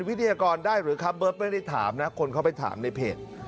วิทยากรได้หรือครับเบิร์ตไม่ได้ถามนะคนเข้าไปถามในเพจ